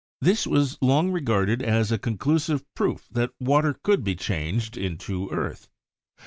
This was long regarded as a conclusive proof that water could be changed into earth.